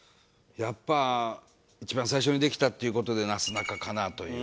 やっぱ一番最初にできたっていう事でなすなかかなという。